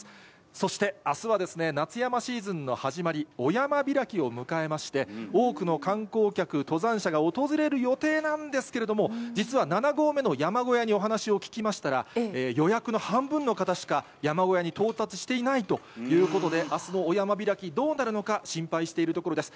そして、あすはですね、夏山シーズンの始まり、お山開きを迎えまして、多くの観光客、登山者が訪れる予定なんですけれども、実は７合目の山小屋にお話を聞きましたら、予約の半分の方しか山小屋に到達していないということで、あすのお山開き、どうなるのか心配しているところです。